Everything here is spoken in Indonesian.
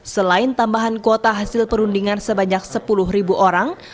selain tambahan kuota hasil perundingan sebanyak sepuluh orang